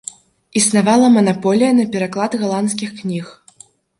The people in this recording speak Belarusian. Існавала манаполія на пераклад галандскіх кніг.